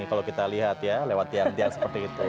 kalau kita lihat ya lewat tiang tiang seperti itu